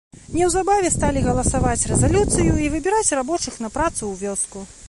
Неўзабаве сталі галасаваць рэзалюцыю і выбіраць рабочых на працу ў вёску.